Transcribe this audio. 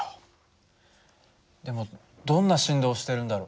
でもどんな振動をしてるんだろう？